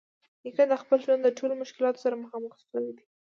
نیکه د خپل ژوند د ټولو مشکلاتو سره مخامخ شوی دی.